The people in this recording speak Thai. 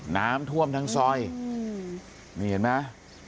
น้ำท่วมทั้งซอยนี่เห็นไหม